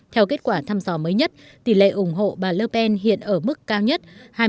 theo kết quả thăm dò mới nhất tỷ lệ ủng hộ bà le pen hiện ở mức cao nhất hai mươi sáu